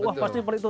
wah pasti seperti itu